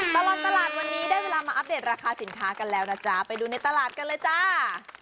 ตลอดตลาดวันนี้ได้เวลามาอัปเดตราคาสินค้ากันแล้วนะจ๊ะไปดูในตลาดกันเลยจ้า